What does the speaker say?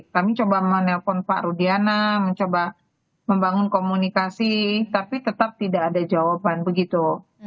kami coba menelpon pak rudiana mencoba membangun komunikasi tapi tetap tidak ada jawaban begitu